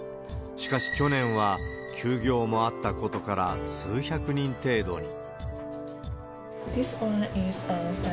しかし、去年は休業もあったことから数百人程度に。